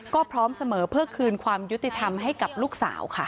ก็พร้อมเสมอเพื่อคืนความยุติธรรมให้กับลูกสาวค่ะ